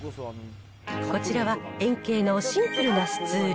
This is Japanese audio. こちらは円形のシンプルなスツール。